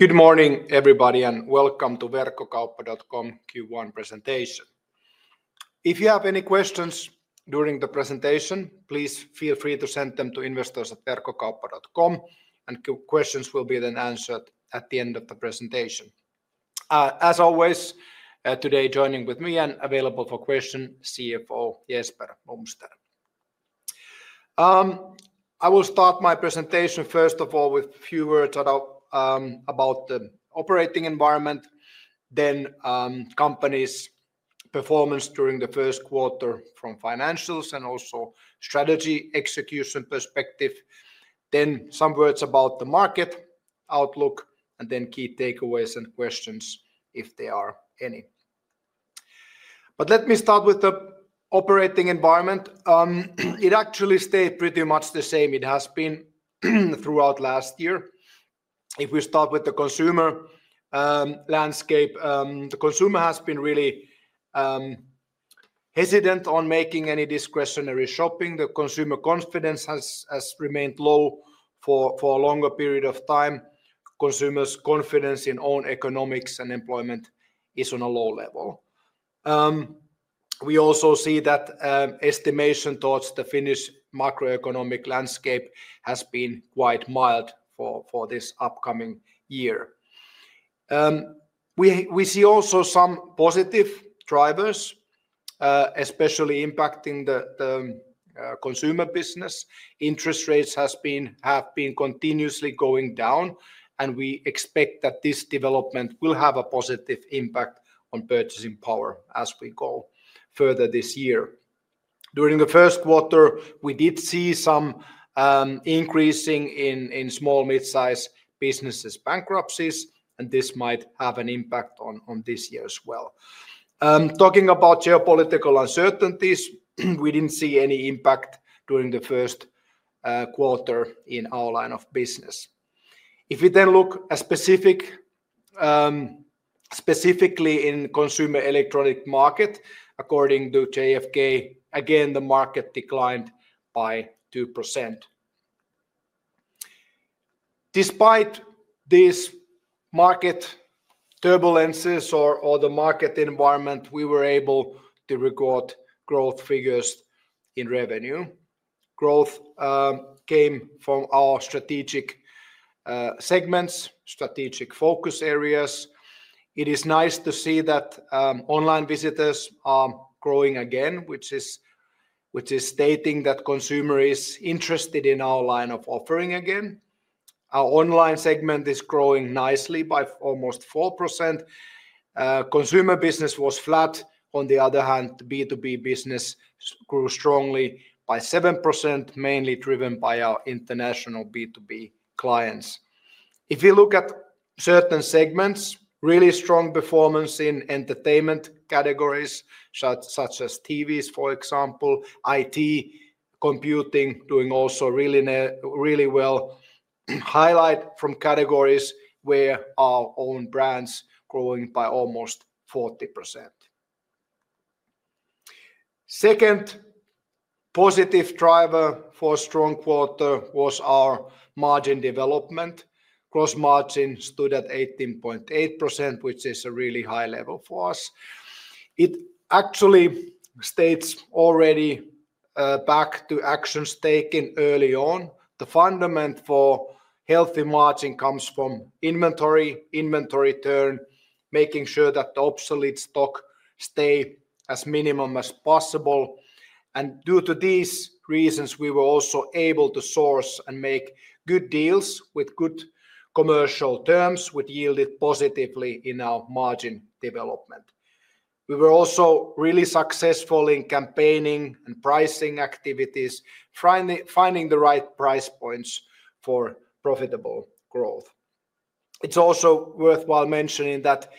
Good morning, everybody, and Welcome to Verkkokauppa.com Q1 Presentation. If you have any questions during the presentation, please feel free to send them to investors@verkkokauppa.com, and questions will be then answered at the end of the presentation. As always, today joining with me and available for questions, CFO Jesper Blomster. I will start my presentation, first of all, with a few words about the operating environment, then company's performance during the first quarter from financials and also strategy execution perspective. Then some words about the market outlook, and then key takeaways and questions, if there are any. Let me start with the operating environment. It actually stayed pretty much the same it has been throughout last year. If we start with the consumer landscape, the consumer has been really hesitant on making any discretionary shopping. The consumer confidence has remained low for a longer period of time. Consumers' confidence in own economics and employment is on a low level. We also see that estimation towards the Finnish macroeconomic landscape has been quite mild for this upcoming year. We see also some positive drivers, especially impacting the consumer business. Interest rates have been continuously going down, and we expect that this development will have a positive impact on purchasing power as we go further this year. During the first quarter, we did see some increasing in small-mid-size businesses' bankruptcies, and this might have an impact on this year as well. Talking about geopolitical uncertainties, we did not see any impact during the first quarter in our line of business. If we then look specifically in the consumer electronics market, according to GfK, again, the market declined by 2%. Despite these market turbulences or the market environment, we were able to record growth figures in revenue. Growth came from our strategic segments, strategic focus areas. It is nice to see that online visitors are growing again, which is stating that consumer is interested in our line of offering again. Our online segment is growing nicely by almost 4%. Consumer business was flat. On the other hand, the B2B business grew strongly by 7%, mainly driven by our international B2B clients. If we look at certain segments, really strong performance in entertainment categories such as TVs, for example, IT, computing, doing also really well. Highlight from categories where our own brands are growing by almost 40%. Second positive driver for strong quarter was our margin development. Gross margin stood at 18.8%, which is a really high level for us. It actually states already back to actions taken early on. The fundament for healthy margin comes from inventory, inventory turn, making sure that the obsolete stock stays as minimum as possible. Due to these reasons, we were also able to source and make good deals with good commercial terms, which yielded positively in our margin development. We were also really successful in campaigning and pricing activities, finding the right price points for profitable growth. It's also worthwhile mentioning that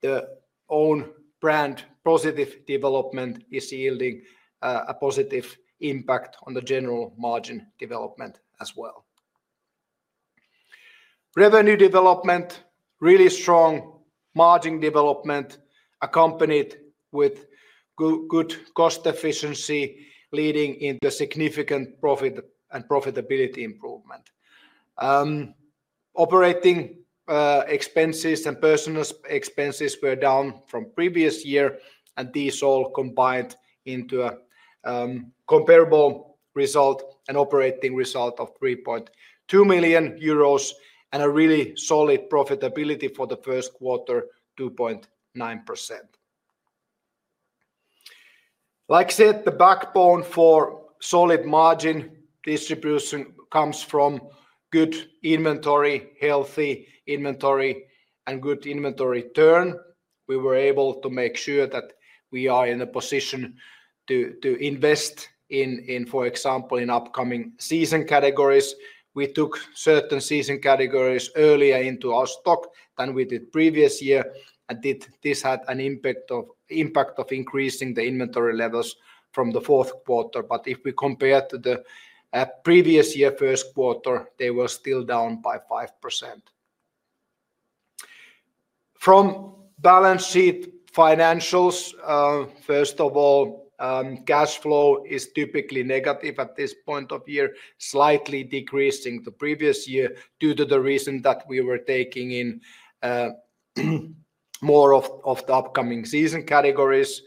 the own brand positive development is yielding a positive impact on the general margin development as well. Revenue development, really strong margin development, accompanied with good cost efficiency, leading into significant profit and profitability improvement. Operating expenses and personnel expenses were down from previous year, and these all combined into a comparable result, an operating result of 3.2 million euros and a really solid profitability for the first quarter, 2.9%. Like I said, the backbone for solid margin distribution comes from good inventory, healthy inventory, and good inventory turn. We were able to make sure that we are in a position to invest in, for example, in upcoming season categories. We took certain season categories earlier into our stock than we did previous year, and this had an impact of increasing the inventory levels from the fourth quarter. If we compare to the previous year first quarter, they were still down by 5%. From balance sheet financials, first of all, cash flow is typically negative at this point of year, slightly decreasing the previous year due to the reason that we were taking in more of the upcoming season categories.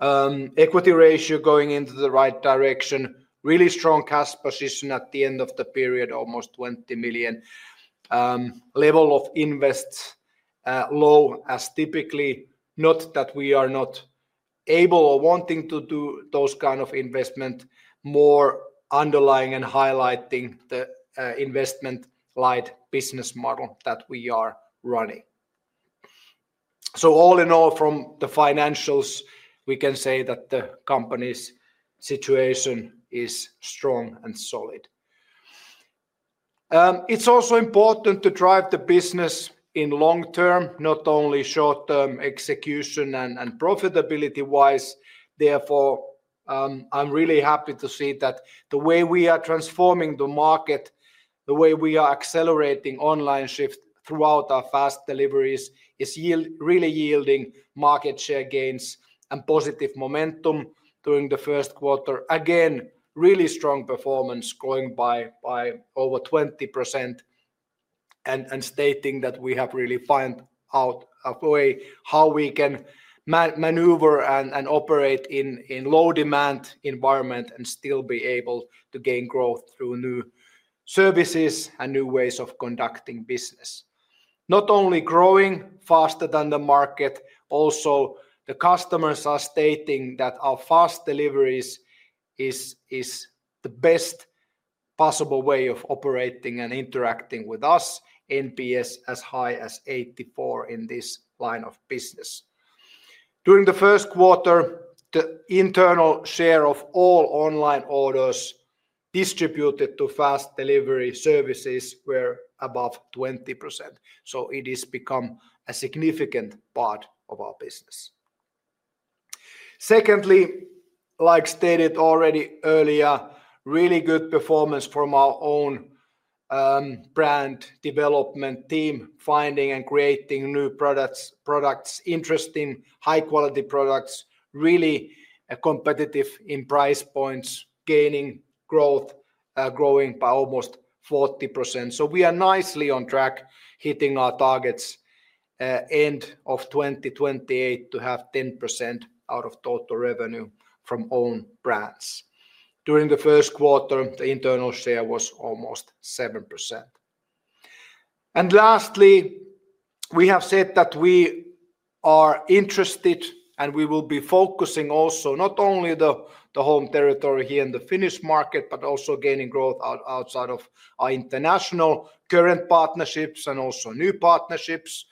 Equity ratio going into the right direction, really strong cash position at the end of the period, almost 20 million. Level of invests low as typically, not that we are not able or wanting to do those kinds of investments, more underlying and highlighting the investment-like business model that we are running. All in all, from the financials, we can say that the company's situation is strong and solid. It's also important to drive the business in long term, not only short term execution and profitability wise. Therefore, I'm really happy to see that the way we are transforming the market, the way we are accelerating online shift throughout our fast deliveries is really yielding market share gains and positive momentum during the first quarter. Again, really strong performance growing by over 20% and stating that we have really found out a way how we can maneuver and operate in low demand environment and still be able to gain growth through new services and new ways of conducting business. Not only growing faster than the market, also the customers are stating that our fast deliveries is the best possible way of operating and interacting with us, NPS as high as 84 in this line of business. During the first quarter, the internal share of all online orders distributed to fast delivery services were above 20%. It has become a significant part of our business. Secondly, like stated already earlier, really good performance from our own brand development team, finding and creating new products, interesting high quality products, really competitive in price points, gaining growth, growing by almost 40%. We are nicely on track hitting our targets end of 2028 to have 10% out of total revenue from own brands. During the first quarter, the internal share was almost 7%. Lastly, we have said that we are interested and we will be focusing also not only the home territory here in the Finnish market, but also gaining growth outside of our international current partnerships and also new partnerships.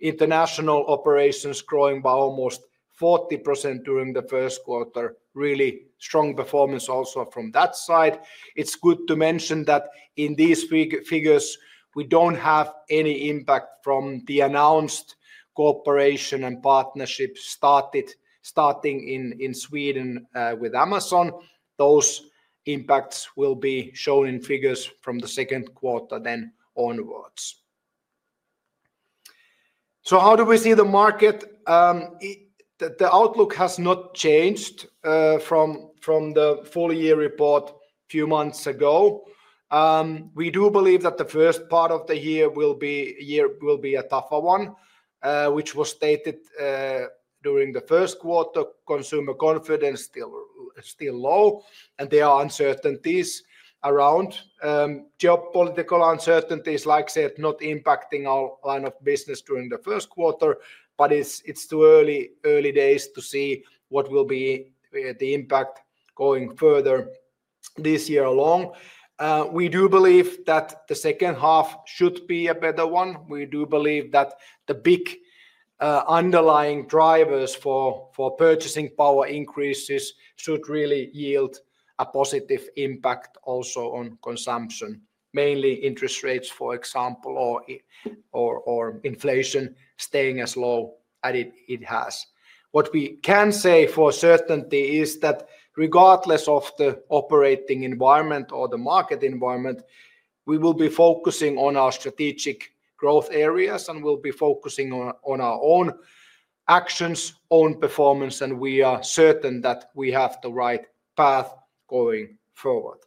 International operations growing by almost 40% during the first quarter, really strong performance also from that side. It is good to mention that in these figures, we do not have any impact from the announced cooperation and partnerships starting in Sweden with Amazon. Those impacts will be shown in figures from the second quarter then onwards. How do we see the market? The outlook has not changed from the full year report a few months ago. We do believe that the first part of the year will be a tougher one, which was stated during the first quarter. Consumer confidence is still low, and there are uncertainties around geopolitical uncertainties, like I said, not impacting our line of business during the first quarter, but it's too early days to see what will be the impact going further this year along. We do believe that the second half should be a better one. We do believe that the big underlying drivers for purchasing power increases should really yield a positive impact also on consumption, mainly interest rates, for example, or inflation staying as low as it has. What we can say for certainty is that regardless of the operating environment or the market environment, we will be focusing on our strategic growth areas and we'll be focusing on our own actions, own performance, and we are certain that we have the right path going forward.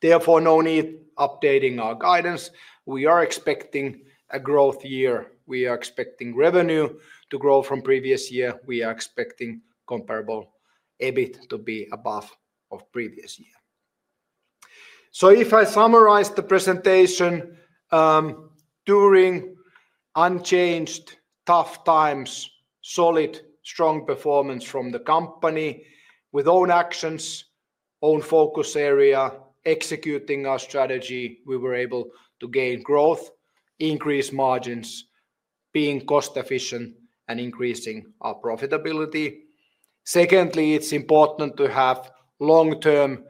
Therefore, no need for updating our guidance. We are expecting a growth year. We are expecting revenue to grow from previous year. We are expecting comparable EBIT to be above previous year. If I summarize the presentation, during unchanged tough times, solid, strong performance from the company with own actions, own focus area, executing our strategy, we were able to gain growth, increase margins, being cost efficient, and increasing our profitability. Secondly, it is important to have long term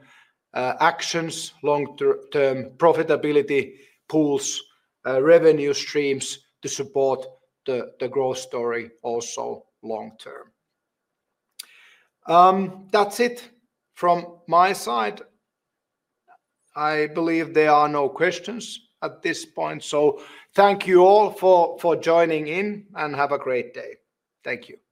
actions, long term profitability pools, revenue streams to support the growth story also long term. That is it from my side. I believe there are no questions at this point. Thank you all for joining in and have a great day. Thank you.